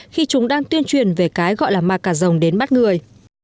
khi chúng đang tuyên truyền về cái gọi là ma cả dòng đến bắt người